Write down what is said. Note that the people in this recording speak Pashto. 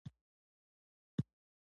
د موټرو چک کول د خوندیتوب لپاره اړین دي.